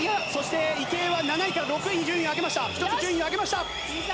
池江は７位から６位に順位を上げて１つ順位を上げました！